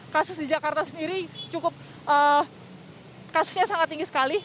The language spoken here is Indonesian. kasus di jakarta sendiri cukup kasusnya sangat tinggi sekali